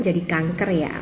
jadi kanker ya